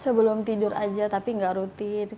sebelum tidur aja tapi nggak rutin